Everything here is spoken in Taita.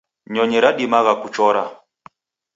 Nyonyi ridimagha kuchora.